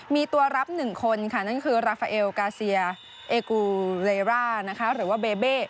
มีตัวรับ๑คนค่ะนั่นคือราฟาเอลกาเซียเอกูเลร่านะคะหรือว่าเบเบ้